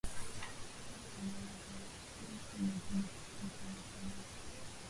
au alama za uakifishaji kama vile kituo na nukta-nusu